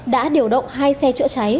đã điều động hai xe chữa cháy